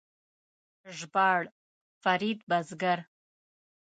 ژباړ: فرید بزګر